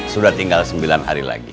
sudah tinggal sembilan hari lagi